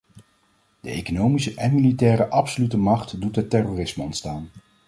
De economische en militaire absolute macht doet het terrorisme ontstaan.